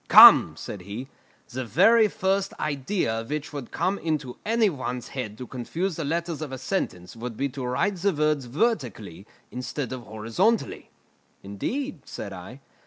"Come," said he, "the very first idea which would come into any one's head to confuse the letters of a sentence would be to write the words vertically instead of horizontally." "Indeed!" said I.